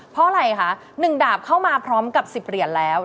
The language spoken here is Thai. เพราะอะไรคะ๑ดาบเข้ามาพร้อมกับ๑๐เหรียญแล้ว